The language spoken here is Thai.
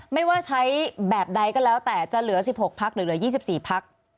ไม่ว่าใช้แบบใดก็แล้วแต่จะเหลือ๑๖พักหรือเหลือ๒๔พัก